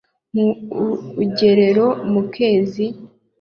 mu ugerero, mukezi Ibi bigeregerire mu migeni nk’iyi: